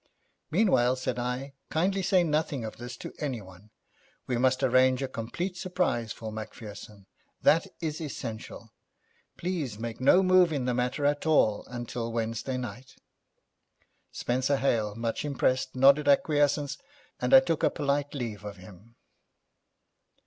'Meanwhile,' said I, 'kindly say nothing of this to anyone. We must arrange a complete surprise for Macpherson. That is essential. Please make no move in the matter at all until Wednesday night.' Spenser Hale, much impressed, nodded acquiescence, and I took a polite leave of him.